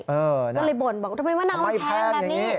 เออนะครับก็เลยบ่นบอกทำไมมะนาวแพงแหละนี่ไม่แพงอย่างนี้